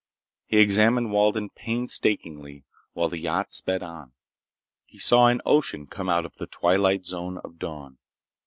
He examined Walden painstakingly while the yacht sped on. He saw an ocean come out of the twilight zone of dawn.